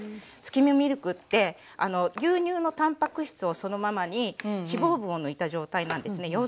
スキムミルクって牛乳のたんぱく質をそのままに脂肪分を抜いた状態なんですね。